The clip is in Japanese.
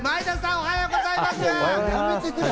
おはようございます。